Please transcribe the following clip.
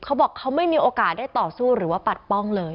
เขาบอกเขาไม่มีโอกาสได้ต่อสู้หรือว่าปัดป้องเลย